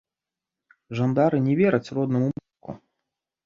Жандары не вераць роднаму бацьку.